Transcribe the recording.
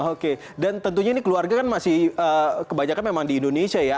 oke dan tentunya ini keluarga kan masih kebanyakan memang di indonesia ya